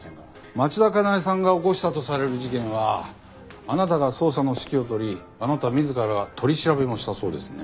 町田加奈江さんが起こしたとされる事件はあなたが捜査の指揮を執りあなた自ら取り調べもしたそうですね。